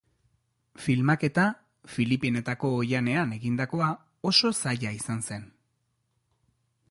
Filmaketa, Filipinetako oihanean egindakoa, oso zaila izan zen.